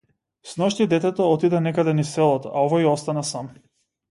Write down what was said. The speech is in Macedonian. Сношти детето отиде некаде низ селото, а овој остана сам.